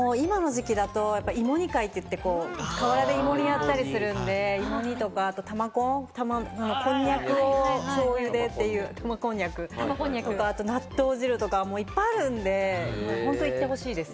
今の時期だと芋煮会って言って、河原で芋煮をやったりするので、あと玉こん、こんにゃくをしょうゆでという玉こんにゃく、あと納豆汁とかいっぱいあるんで、本当に楽しいです。